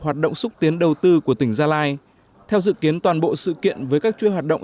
hoạt động xúc tiến đầu tư của tỉnh gia lai theo dự kiến toàn bộ sự kiện với các chuỗi hoạt động